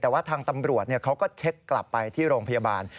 แต่ว่าทางตำรวจเขาก็เช็คกลับไปที่โรงพยาบาล